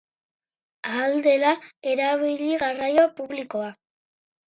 Ahal dela, erabili garraio publikoa.